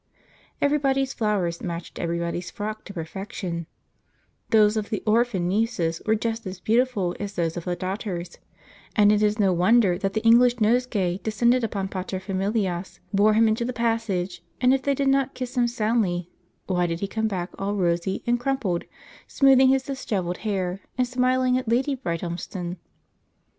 Everybody's flowers matched everybody's frock to perfection; those of the h'orphan nieces were just as beautiful as those of the daughters, and it is no wonder that the English nosegay descended upon paterfamilias, bore him into the passage, and if they did not kiss him soundly, why did he come back all rosy and crumpled, smoothing his dishevelled hair, and smiling at Lady Brighthelmston?